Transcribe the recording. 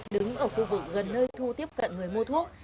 đứng ở khu vực gần nơi thu tiếp cận người mua thuốc